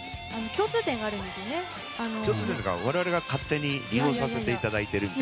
共通点というか、我々が勝手に利用させていただいて。